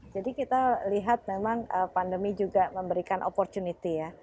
jadi kita lihat memang pandemi juga memberikan opportunity ya